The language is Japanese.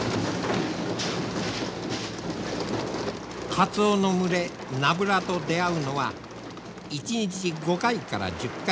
カツオの群れナブラと出会うのは１日５回から１０回。